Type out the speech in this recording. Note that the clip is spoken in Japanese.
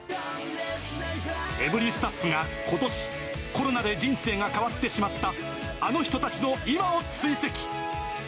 エブリィスタッフがことし、コロナで人生が変わってしまったあの人たちの今を追跡。